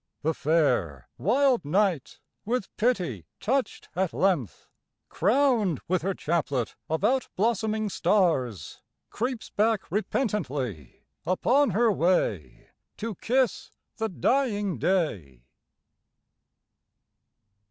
The fair, wild Night, with pity touched at length, Crowned with her chaplet of out blossoming stars. Creeps back repentantly upon her way To kiss the dying Day.